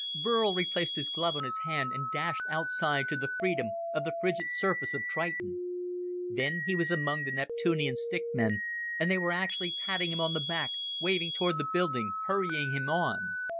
Burl replaced his glove on his hand and dashed outside to the freedom of the frigid surface of Triton. Then he was among the Neptunian stick men, and they were actually patting him on the back, waving toward the building, hurrying him on.